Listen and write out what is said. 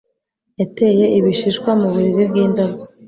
Yateye ibishishwa mu buriri bwindabyo